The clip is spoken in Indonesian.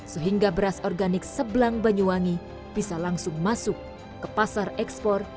sehingga beras organik sebelang banyuwangi bisa langsung masuk ke pasar ekspor